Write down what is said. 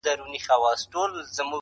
ما چي ټانګونه په سوکونو وهل٫